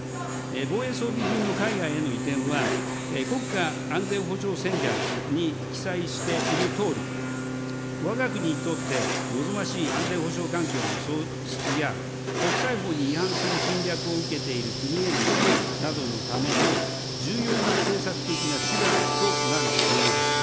防衛装備品の海外への移転は、国家安全保障戦略に記載しているとおり、わが国にとって望ましい安全保障環境の創出や、国際法に違反する侵略を受けている国への支援などのための、重要な政策的な手段となるものです。